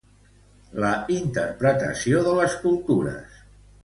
La interpretació de les cultures.